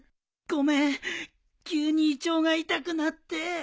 ごめん急に胃腸が痛くなって。